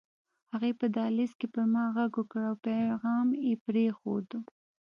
هغې په دهلېز کې په ما غږ وکړ او پيغام يې پرېښود